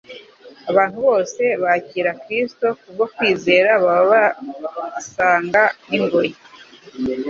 Abantu bose bakira Kristo kubwo kwizera baba isanga n'ingoyi